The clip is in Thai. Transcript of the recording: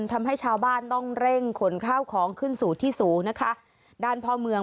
ทำให้ชาวบ้านต้องเร่งขนข้าวของขึ้นสู่ที่สูงนะคะด้านพ่อเมือง